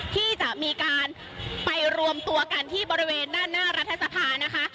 ที่จะมีการไปรวมตัวกันที่บริเวณด้านหน้ารัฐสภานะคะ